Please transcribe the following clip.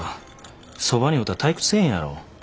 そばにおったら退屈せえへんやろ。